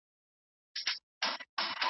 په ملتان کي هم پښتانه اوسېدل.